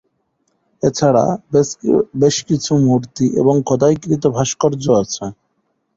এছাড়া বেশ কিছু মূর্তি এবং খোদাইকৃত ভাস্কর্য আছে।